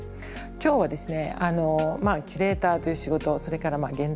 今日はですね